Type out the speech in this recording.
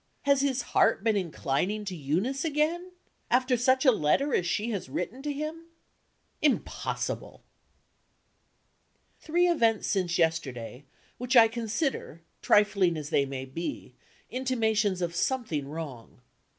Has his heart been inclining to Eunice again? After such a letter as she has written to him? Impossible! Three events since yesterday, which I consider, trifling as they may be, intimations of something wrong.